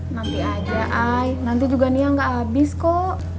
nanti aja ai nanti juga nia ga abis kok